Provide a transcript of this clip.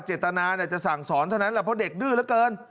เจตนาจะสั่งสอนเท่านั้นแหละเพราะเด็กดื้อเหลือเกิน